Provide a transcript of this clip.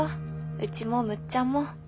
うちもむっちゃんも。